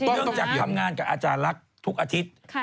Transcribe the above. เนื่องจากทำงานกับอาจารย์ลักษณ์ทุกอาทิตย์